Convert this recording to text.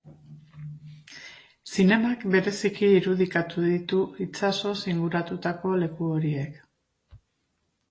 Zinemak bereziki irudikatu ditu itsasoz inguratutako leku horiek.